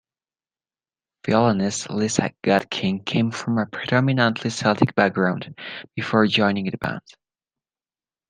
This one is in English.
Violinist Lisa Gutkin came from a predominantly Celtic background before joining the band.